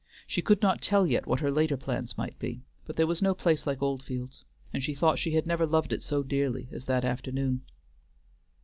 She could not tell yet what her later plans might be; but there was no place like Oldfields, and she thought she had never loved it so dearly as that afternoon.